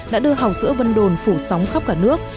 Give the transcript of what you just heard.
đã đưa hào sữa vân đồn phủ sóng khắp cả nước